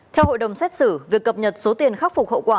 theo hội đồng xét xử việc cập nhật số tiền khắc phục hậu quả